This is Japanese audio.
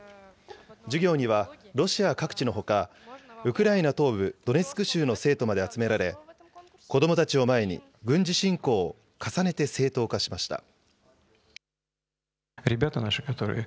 授業にはロシア各地のほか、ウクライナ東部ドネツク州の生徒まで集められ、子どもたちを前に軍事侵攻を重ねて正当化しました。